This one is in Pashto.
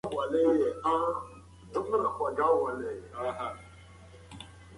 اوبه، ځمکه او هوا د تکرارېدونکو زېرمونو مثالونه دي.